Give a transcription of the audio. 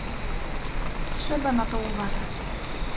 Trzeba na to uważać